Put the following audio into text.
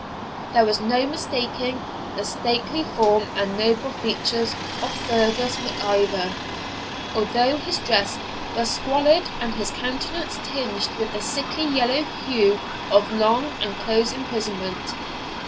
There was no mistaking the stately form and noble features of Fergus Mac Ivor, although his dress was squalid and his countenance tinged with the sickly yellow hue of long and close imprisonment.